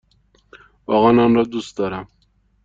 واقعا آن را دوست دارم!